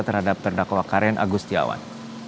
terhadap terdakwa karen agustiawan